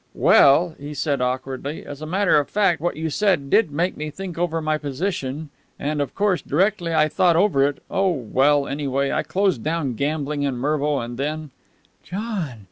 "Well," he said awkwardly, "as a matter of fact what you said did make me think over my position, and, of course, directly I thought over it oh, well, anyway, I closed down gambling in Mervo, and then " "John!"